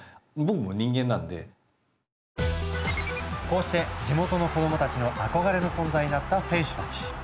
こうして地元の子どもたちの憧れの存在になった選手たち。